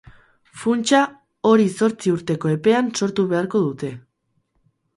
Funtsa hori zortzi urteko epean sortu beharko dute.